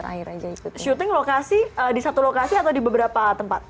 jadi lokasinya lokasinya di satu lokasi atau di beberapa tempat